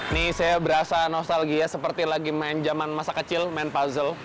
nih saya berasa nostalgia seperti lagi main zaman masa kecil main puzzle